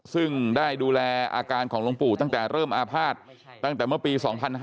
ซึ่งได้ดูแลอาการของหลวงปู่ตั้งแต่เริ่มอาภาษณ์ตั้งแต่เมื่อปี๒๕๕๙